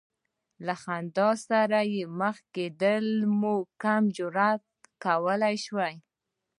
له خنډ سره مخ کېدل مو کم جراته کولی شي.